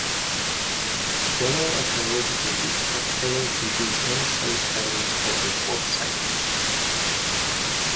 Several archaeological digs have failed to yield any solid evidence of the fort's site.